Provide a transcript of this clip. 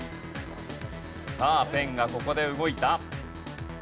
さあペンがここで動いた。